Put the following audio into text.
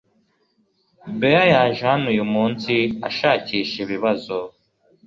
Bea yaje hano uyumunsi ashakisha ibibazo .